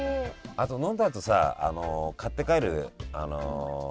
あと飲んだあとさ買って帰る人たちもさ